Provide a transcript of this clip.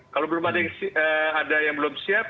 kalau belum ada yang belum siap